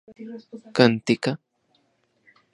¿Kan tika?